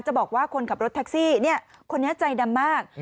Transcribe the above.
บอกว่าคนขับรถแท็กซี่คนนี้ใจดำมาก